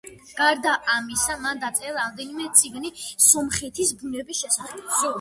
გარდა ამისა, მან დაწერა რამდენიმე წიგნი სომხეთის ბუნების შესახებ.